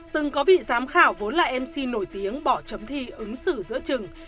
từng có vị giám khảo vốn là mc nổi tiếng bỏ chấm thi ứng xử giữa trừng